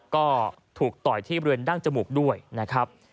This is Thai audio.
ก็ถูกต่อยที่บริเวณดั้งจมูกด้วยนะครับ